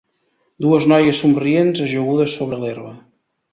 Dues noies somrients ajagudes sobre l'herba .